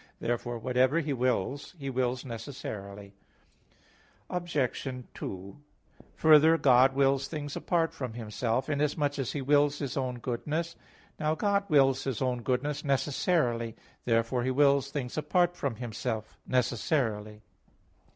Therefore whatever He wills, He wills necessarily. Obj. 2: Further, God wills things apart from Himself, inasmuch as He wills His own goodness. Now God wills His own goodness necessarily. Therefore He wills things apart from Himself necessarily.